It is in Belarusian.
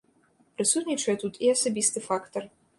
Прысутнічае тут і асабісты фактар.